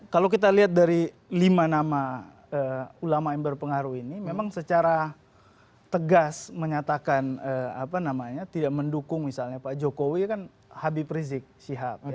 kalau kita lihat dari lima nama ulama yang berpengaruh ini memang secara tegas menyatakan tidak mendukung misalnya pak jokowi kan habib rizik sihab